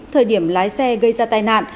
thời điểm lái xe gây ra tai nạn